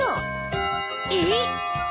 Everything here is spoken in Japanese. えっ！